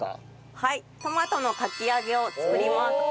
はいトマトのかき揚げを作ります。